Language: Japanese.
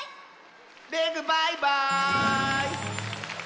レグバイバーイ！